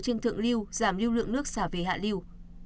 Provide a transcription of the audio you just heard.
trên thượng lưu giảm lưu lượng nước xả về hạ lưu